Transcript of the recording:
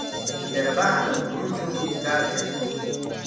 د مهربانه غرونه کتاب يادوم.